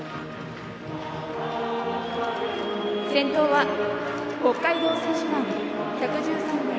先頭は北海道選手団、１１３名。